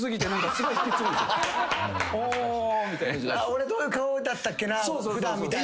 俺どういう顔だったっけな普段みたいな。